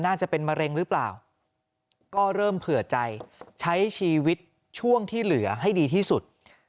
จะเป็นมะเร็งหรือเปล่าก็เริ่มเผื่อใจใช้ชีวิตช่วงที่เหลือให้ดีที่สุด